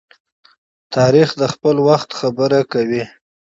تاریخ د خپل وخت خبره کوي.